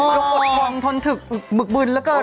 ดวงอดภังทนถึกบึกบึนแล้วกัน